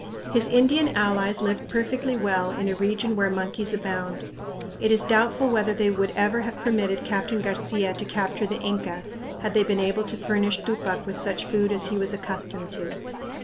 His Indian allies lived perfectly well in a region where monkeys abound. It is doubtful whether they would ever have permitted Captain Garcia to capture the Inca had they been able to furnish Tupac with such food as he was accustomed to.